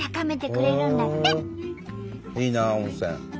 いいなあ温泉。